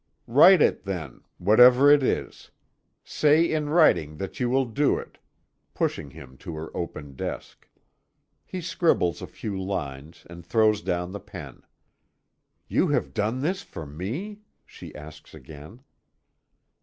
"Write it then whatever it is. Say in writing that you will do it," pushing him to her open desk. He scribbles a few lines and throws down the pen. "You have done this for me?" she asks again.